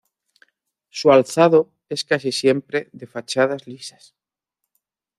Su alzado es casi siempre de fachadas lisas.